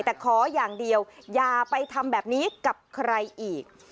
แต่ขออย่างเดียวอย่าไปทำแบบนี้กับใครอีก